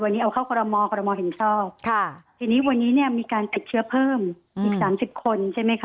วันนี้เอาเข้าคอรมอคอรมอลเห็นชอบค่ะทีนี้วันนี้เนี่ยมีการติดเชื้อเพิ่มอีกสามสิบคนใช่ไหมคะ